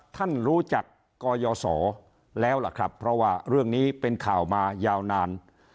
ท่านรู้จักกยศแล้วล่ะครับเพราะว่าเรื่องนี้เป็นข่าวมายาวนาน